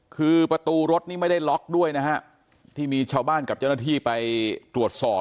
คือประตูรถนี่ไม่ได้ล็อกด้วยนะฮะที่มีชาวบ้านกับเจ้าหน้าที่ไปตรวจสอบ